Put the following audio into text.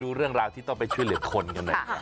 ดูเรื่องราวที่ต้องไปช่วยเหลือคนกันหน่อย